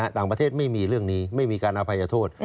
ต่างประเทศไม่มีเรื่องนี้ไม่มีการอภัยโทษ